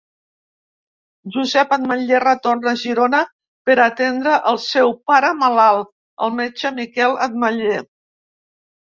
Josep Ametller retorna a Girona per atendre el seu pare malalt, el metge Miquel Ametller.